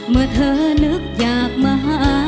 เมื่อเธอนึกอยากมาหา